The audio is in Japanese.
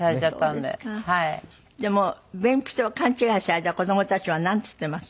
でも便秘と勘違いされた子どもたちはなんて言ってます？